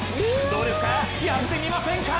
どうですか、やってみませんか？